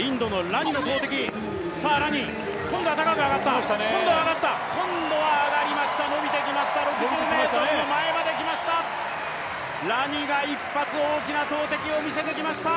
ラニ、今度は高く上がった今度は上がりました、伸びてきました６０ｍの前まできました。